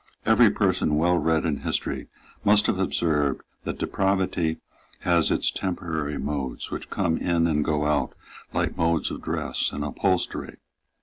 Every person well read in history must have observed that depravity has its temporary modes, which come in and go out like modes of dress and upholstery.